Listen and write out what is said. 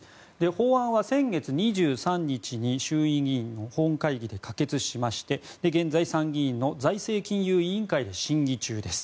法案は先月２３日衆議院の本会議で可決しまして現在、参議院の財政金融委員会で審議中です。